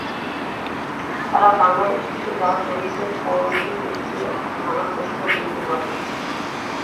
তাঁরা বাংলাদেশ থেকে যাওয়া শ্রমিকদের প্রলোভন দেখিয়ে ও নানা কৌশলে জিম্মি করেন।